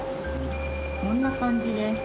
こんな感じです。